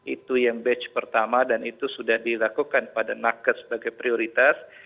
itu yang batch pertama dan itu sudah dilakukan pada nakes sebagai prioritas